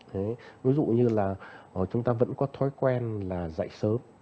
thí dụ như là chúng ta vẫn có thói quen là dạy sớm